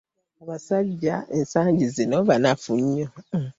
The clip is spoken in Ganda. Abasajja ensangi zino banafu nnyo.